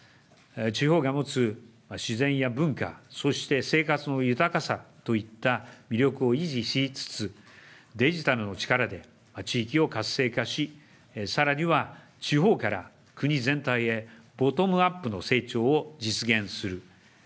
地方が持つ自然や文化、そして生活の豊かさといった魅力を維持しつつ、デジタルの力で地域を活性化し、さらには地方から国全体へ、ボトムアップの成長を実現する。